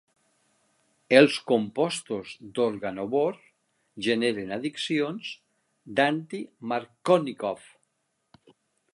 Els compostos d'organobor generen addicions d'anti-Markóvnikov.